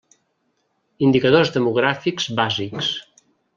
Indicadors Demogràfics Bàsics.